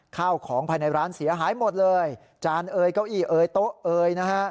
ข้าวของภายในร้านเสียหายหมดเลยจานเอยเก้าอี้เอ๋ยโต๊ะเอยนะฮะ